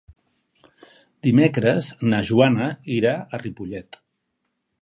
Dimecres na Joana irà a Ripollet.